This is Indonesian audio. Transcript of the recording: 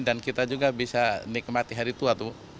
dan kita juga bisa nikmati hari tua